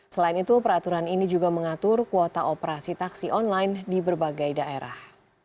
selain itu peraturan ini juga mengatur kuota operasi taksi online di berbagai daerah